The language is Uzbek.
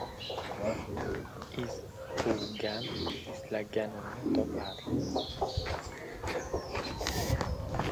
Iz quvgan izlaganini topar.